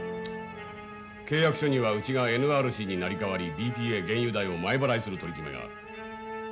契約書にはうちがＮＲＣに成り代わりＢＰへ原油代を前払いする取り決めがある。